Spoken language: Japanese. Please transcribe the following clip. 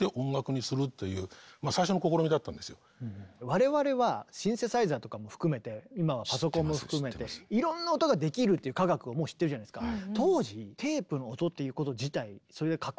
我々はシンセサイザーとかも含めて今はパソコンも含めていろんな音ができるっていう科学をもう知ってるじゃないですか。